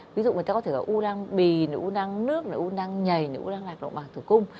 ví dụ người ta có thể có u nang bì u nang nước u nang nhầy u nang lạc động bằng thử cung